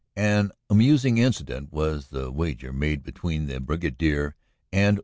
An amusing incident was the wager made between the Brigadier and Lt.